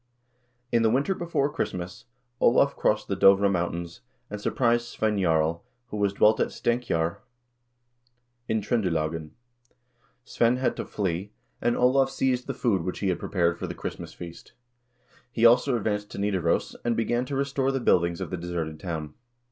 In the winter before Christmas, Olav crossed the Dovre Mountains, and surprised Svein Jarl, who dwelt at Stenkjser in Tr0ndelagen. Svein had to flee, and Olav 252 HISTORY^OF THE NORWEGIAN PEOPLE seized the food which he had prepared for the Christmas feast. He also advanced to Nidaros, and began to restore the buildings of the deserted town.